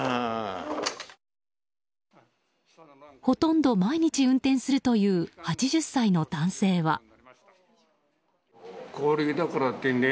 ほとんど毎日運転するという８０歳の男性は。